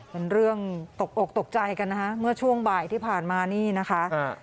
เป็นเรื่องตกอกตกใจกันนะคะเมื่อช่วงบ่ายที่ผ่านมานี่นะคะ